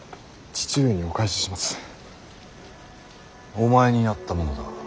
お前にやったものだ。